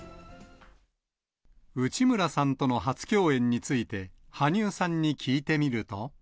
内村さんとの初共演について、羽生さんに聞いてみると。